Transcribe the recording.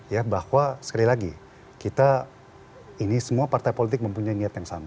ya bahwa sekali lagi kita ini semua partai politik mempunyai niat yang sama